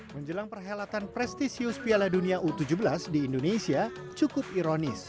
menjelang perhelatan prestisius piala dunia u tujuh belas di indonesia cukup ironis